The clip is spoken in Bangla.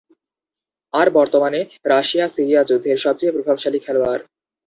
আর বর্তমানে রাশিয়া সিরিয়া যুদ্ধের সবচেয়ে প্রভাবশালী খেলোয়াড়।